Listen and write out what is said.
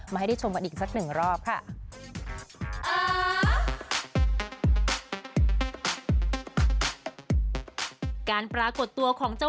ให้ได้ชมกันอีกสักหนึ่งรอบค่ะ